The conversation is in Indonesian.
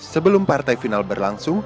sebelum partai final berlangsung